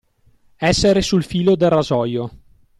Essere sul filo del rasoio.